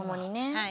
はい。